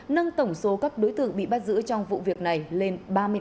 nâng tổng số các đối tượng bị bắt giữ trong vụ việc này lên ba mươi tám